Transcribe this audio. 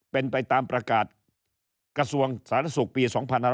เป็นไปตามประกาศกระทรวงศาสตร์ศุกร์ปี๒๕๕๘